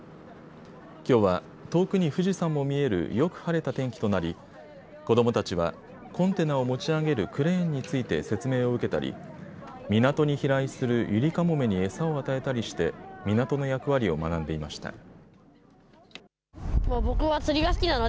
きょうは遠くに富士山も見えるよく晴れた天気となり子どもたちはコンテナを持ち上げるクレーンについて説明を受けたり港に飛来するユリカモメに餌を与えたりして港の役割を学んでいました。